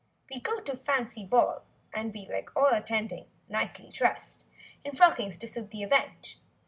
We go to fancy ball and we Like all attending—nicely dressed In frockings to suit the event.